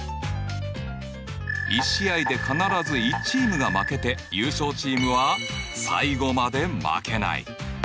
１試合で必ず１チームが負けて優勝チームは最後まで負けない。